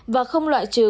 và không loại trừ nguy cơ